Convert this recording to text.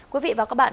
quý vị và các bạn